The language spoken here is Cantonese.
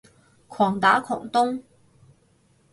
狂打狂咚